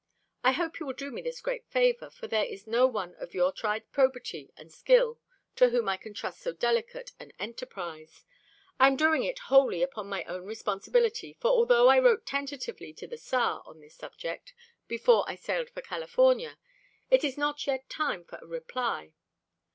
I hope you will do me this great favor, for there is no one of your tried probity and skill to whom I can trust so delicate an enterprise. I am doing it wholly upon my own responsibility, for although I wrote tentatively to the Tsar on this subject before I sailed for California, it is not yet time for a reply.